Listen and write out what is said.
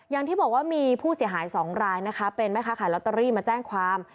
อย่างที่บอกว่ามีผู้เสียหายสองรายนะคะเป็นแม่ค้าขายลอตเตอรี่มาแจ้งความ